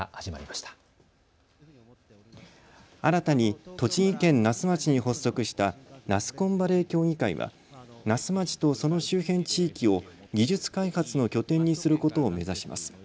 新たに栃木県那須町に発足したナスコンバレー協議会は那須町とその周辺地域を技術開発の拠点にすることを目指します。